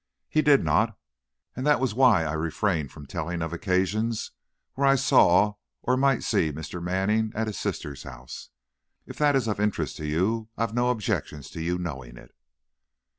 "He did not, and that was why I refrained from telling of occasions when I saw or might see Mr. Manning at his sister's house. If that is of interest to you, I've no objections to your knowing it."